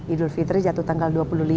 idul fitri jatuh tanggal dua puluh lima